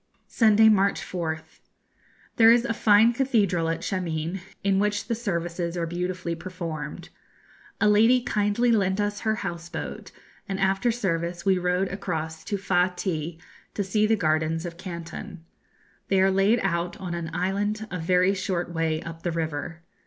Sunday, March 4th. There is a fine cathedral at Shameen, in which the services are beautifully performed. A lady kindly lent us her house boat, and after service we rowed across to Fa ti, to see the gardens of Canton. They are laid out on an island a very short way up the river.